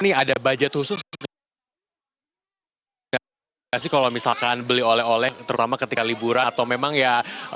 nih ada budget khusus nggak sih kalau misalkan beli oleh oleh terutama ketika liburan atau memang ya